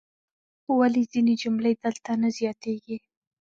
ولې ځینې جملې دلته نه زیاتیږي؟